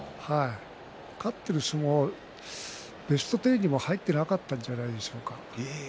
勝っている相撲はベスト１０にも入っていなかったんじゃないでしょうか。